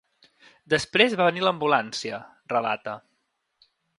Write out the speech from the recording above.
Després va venir l’ambulància, relata.